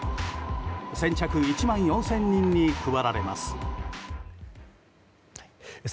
先着１万４０００人に配られます。